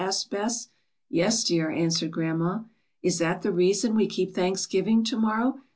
asked Bess. ^^Yes, dear," answered grandma. 'Ts that the reason we keep Thanksgiving to morrow?"